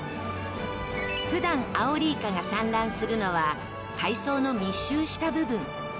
ふだんアオリイカが産卵するのは海藻の密集した部分。